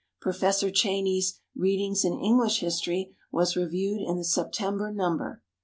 Professor Cheyney's "Readings in English History" was reviewed in the September number.